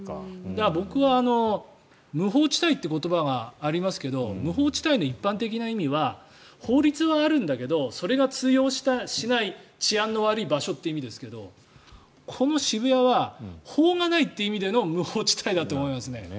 僕は、無法地帯という言葉がありますけど無法地帯の一般的な意味は法律はあるんだけどそれが通用しない治安の悪い場所という意味ですけどこの渋谷は法がないという意味での無法地帯だと思いますね。